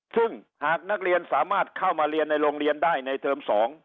ซึ่งหากนักเรียนสามารถเข้ามาเรียนในโรงเรียนได้ในเทอม๒